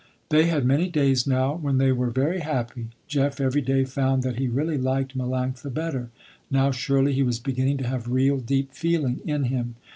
They had many days now when they were very happy. Jeff every day found that he really liked Melanctha better. Now surely he was beginning to have real, deep feeling in him.